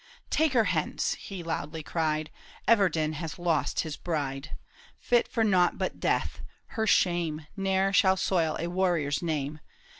" Take her hence !" he loudly cried, '''" Everden has lost his bride ; Fit for nought but death, — her shame Ne'er shall soil a warrior's name.